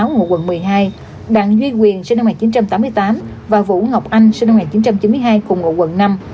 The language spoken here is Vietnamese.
ngụ quận một mươi hai đặng duy quyền sinh năm một nghìn chín trăm tám mươi tám và vũ ngọc anh sinh năm một nghìn chín trăm chín mươi hai cùng ngụ quận năm